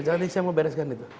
jangan saya mau bereskan itu